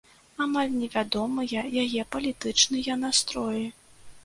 Амаль невядомыя яе палітычныя настроі.